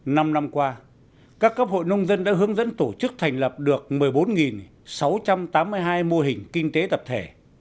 năm năm qua các cấp hội nông dân đã hướng dẫn tổ chức thành lập được một mươi bốn sáu trăm tám mươi hai mô hình kinh tế tập thể